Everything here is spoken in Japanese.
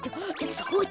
そうだ。